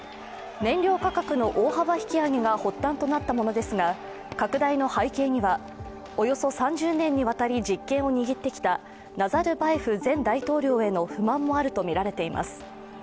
燃料価格の大幅引き上げが発端となったものですが、拡大の背景にはおよそ３０年にわたり実権を握ってきたナザルバエフ前大統領への不満もあるとみれられています。